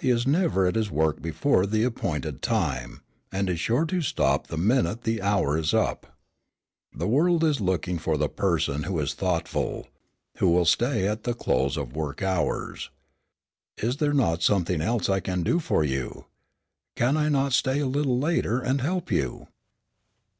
He is never at his work before the appointed time, and is sure to stop the minute the hour is up. The world is looking for the person who is thoughtful, who will say at the close of work hours: 'Is there not something else I can do for you? Can I not stay a little later, and help you?'